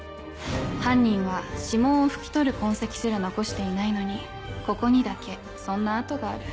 犯人は指紋を拭き取る痕跡すら残していないのにここにだけそんな跡がある。